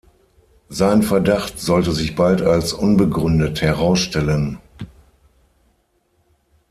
Sein Verdacht sollte sich bald als unbegründet herausstellen.